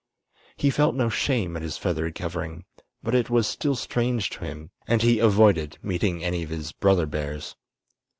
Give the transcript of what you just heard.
He felt no shame at his feathery covering, but it was still strange to him, and he avoided meeting any of his brother bears.